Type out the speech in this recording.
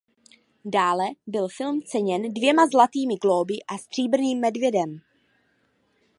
Dále byl film ceněn dvěma Zlatými glóby a Stříbrným medvědem.